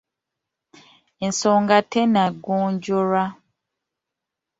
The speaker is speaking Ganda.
Ensonga tennagonjoolwa.